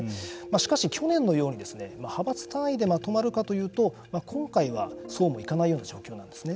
しかし、去年のように派閥単位でまとまるかというと今回はそうもいかないような状況なんですね。